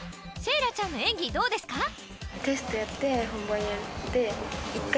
セイラちゃんの演技どうですか？